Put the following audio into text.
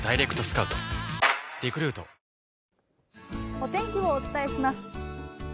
お天気をお伝えします。